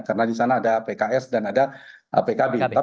karena di sana ada pks dan ada pkb